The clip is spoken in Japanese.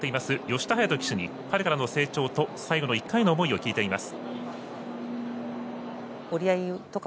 吉田隼人騎手に春からの成長と最後の１回の思いを聞いています。